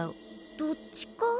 どっちか？